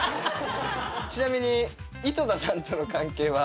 ちなみに井戸田さんとの関係は？